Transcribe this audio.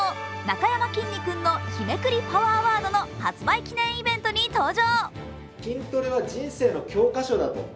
昨日、「なかやまきんに君の日めくりパワー！ワード！」の発売記念イベントに登場。